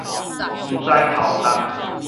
毋知頭重